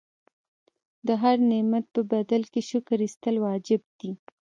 د هر نعمت په بدل کې شکر ایستل واجب دي.